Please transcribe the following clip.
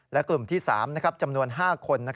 และกลุ่มที่๓จำนวน๕คน